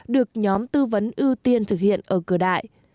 được nhóm tư vấn ưu tiên thực hiện ở cửa đại